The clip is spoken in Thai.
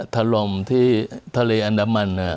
ถล่มที่ทะเลอันดามัน